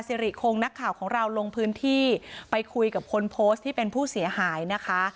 สิริคงนักข่าวของเราลงพื้นที่ไปคุยกับคนโพสต์ที่เป็นผู้เสียหายนะคะ